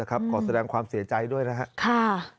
ขอแสดงความเสียใจด้วยนะครับ